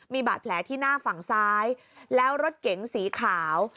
มีบาดแผลที่หน้าฝั่งซ้ายแล้วรถเก๋งสีขาว